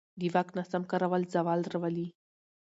د واک ناسم کارول زوال راولي